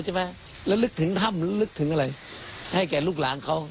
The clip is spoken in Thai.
ใช่ไหมแล้วลึกถึงถ้ำหรือลึกถึงอะไรให้แก่ลูกหลานเขา